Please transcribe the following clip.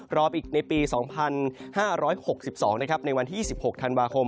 ในปี๒๕๖๒ในวันที่๒๖ธันวาคม